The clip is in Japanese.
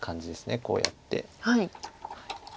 こうやって。